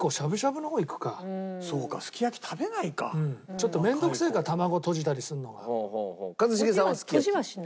ちょっと面倒くせえか卵とじたりするのが。